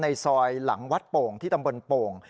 ซอยหลังวัดโป่งที่ตำบลโป่ง